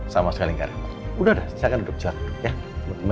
sama sekali udah udah silakan duduk silahkan ya